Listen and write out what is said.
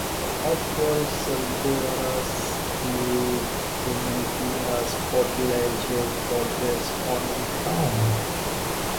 The off-world Sulgogars view humanity as fertilizer for their spawning grounds.